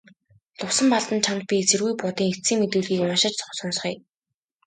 Лувсанбалдан чамд би эсэргүү Будын эцсийн мэдүүлгийг уншиж сонсгоё.